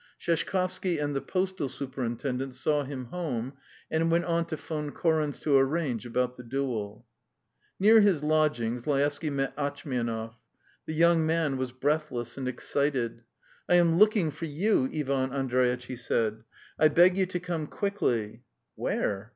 Sheshkovsky and the postal superintendent saw him home and went on to Von Koren's to arrange about the duel. Near his lodgings Laevsky met Atchmianov. The young man was breathless and excited. "I am looking for you, Ivan Andreitch," he said. "I beg you to come quickly. ..." "Where?"